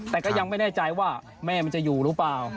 แต่ก็ยังไม่แน่ใจว่าแม่มันจะอยู่หรือเปล่า